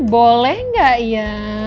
boleh gak ya